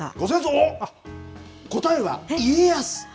おっ、答えは家康。